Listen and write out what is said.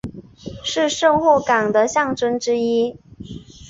是神户港的象征之一。